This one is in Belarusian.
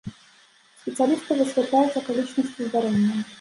Спецыялісты высвятляюць акалічнасці здарэння.